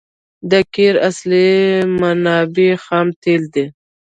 د قیر اصلي منبع خام تیل دي